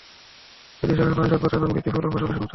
যদিও সেখানে পানির স্বল্পতা এবং বৃক্ষ, ফল ও ফসলের শূন্যতা ছিল।